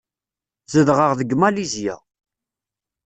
Zedɣeɣ deg Malizya.